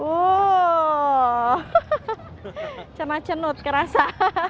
wow cuman cenut kerasa